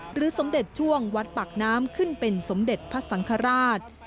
สมเด็จช่วงวัดปากน้ำขึ้นเป็นสมเด็จพระสังฆราช